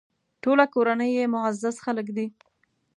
ټوله کورنۍ یې معزز خلک دي.